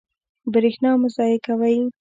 برښنا مه ضایع کوئ